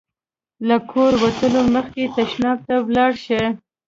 له کوره وتلو مخکې تشناب ته ولاړ شئ.